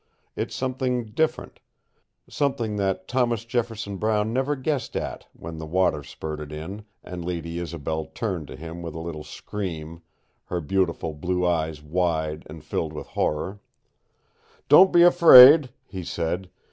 It's something different something that Thomas Jefferson Brown never guessed at when the water spurted in, and Lady Isobel turned to him with a little scream, her beautiful blue eyes wide and filled with horror. "Don't be afraid," he said.